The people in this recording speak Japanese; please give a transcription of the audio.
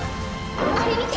あれみて！